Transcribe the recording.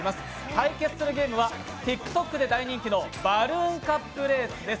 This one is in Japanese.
対決するゲームはＴｉｋＴｏｋで大人気のバルーンカップレースです。